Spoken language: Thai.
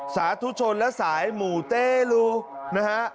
สาธุชนและสายหมู่เตรูนะฮะ